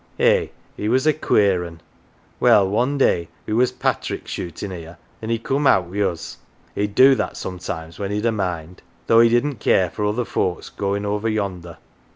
1 Eh, he was a queer 'un ! Well, one day we was patrick shootin' 'ere, an 1 he coom out wi' us : he'd do that sometimes when he'd a mind, though he didn't care for other folks going ower yonder.